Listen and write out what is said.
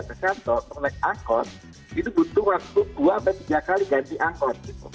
misalnya untuk naik anggota itu butuh waktu dua tiga kali ganti anggota